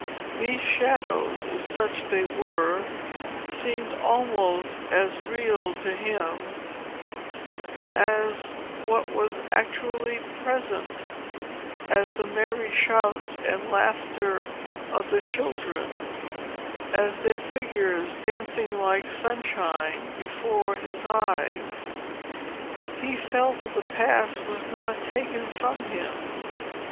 These shadows, if such they were, seemed almost as real to him, as what was actually present—as the merry shouts and laughter of the children—as their figures, dancing like sunshine before his eyes. He felt that the past was not taken from him.